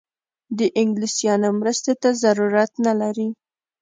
د انګلیسیانو مرستې ته ضرورت نه لري.